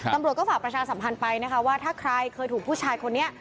ตำรวจก็ฝากประชาสัมพันธ์ไปนะคะว่าถ้าใครเคยถูกผู้ชายคนนี้